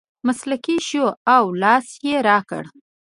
مسکی شو او لاس یې راکړ.